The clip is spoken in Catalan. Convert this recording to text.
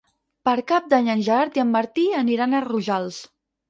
Per Cap d'Any en Gerard i en Martí aniran a Rojals.